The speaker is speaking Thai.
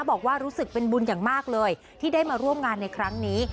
บอกว่ารู้สึกเป็นบุญอย่างมากเลยที่ได้มาร่วมงานในครั้งนี้